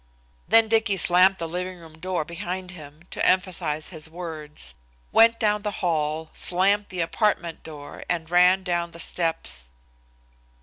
Then Dicky slammed the living room door behind him to emphasize his words, went down the hall, slammed the apartment door and ran down the steps.